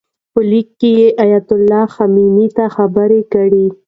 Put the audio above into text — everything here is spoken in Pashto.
په لیک کې یې ایتالله خمیني ته خبرې کړي.